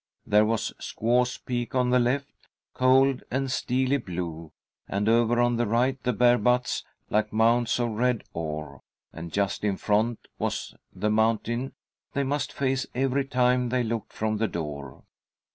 There was Squaw's Peak on the left, cold and steely blue, and over on the right the bare buttes, like mounds of red ore, and just in front was the mountain they must face every time they looked from the door.